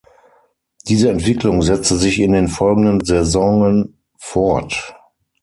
Diese Entwicklung setzte sich in den folgenden Saisonen fort.